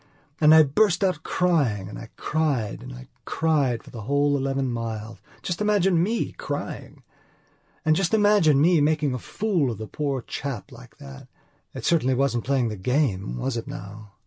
And I burst out crying and I cried and I cried for the whole eleven miles. Just imagine me crying! And just imagine me making a fool of the poor dear chap like that. It certainly wasn't playing the game, was it now?"